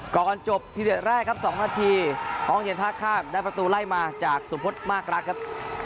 ก่อนจบพิเดชแรกครับ๒นาทีห้องเย็นท่าข้ามได้ประตูไล่มาจากสุพธมากรักครับ